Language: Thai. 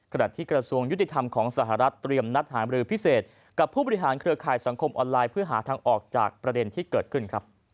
กระทรวงยุติธรรมของสหรัฐเตรียมนัดหามรือพิเศษกับผู้บริหารเครือข่ายสังคมออนไลน์เพื่อหาทางออกจากประเด็นที่เกิดขึ้น